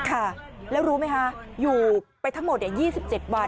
ค่ะแล้วรู้ไหมคะอยู่ไปทั้งหมด๒๗วัน